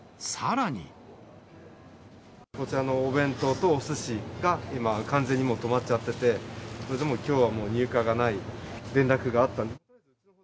こちらのお弁当とおすしが、今、完全にもう止まっちゃってて、それでもうきょうは入荷がない連絡があった。